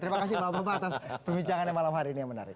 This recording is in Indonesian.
terima kasih bapak bapak atas perbincangannya malam hari ini yang menarik